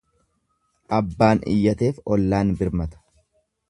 Abbaan iyyateef ollaan birmata.